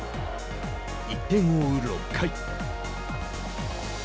１点を追う６回。